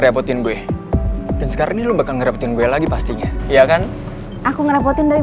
repotin gue dan sekarang ini lo bakal ngerepotin gue lagi pastinya ya kan aku ngerepotin dari